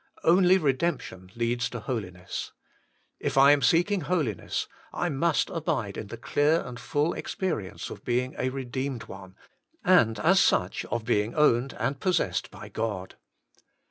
Only redemption leads to holiness. If I am seeking holiness, I must abide in the clear and full experience of being a redeemed one, and as such of being owned and possessed by God.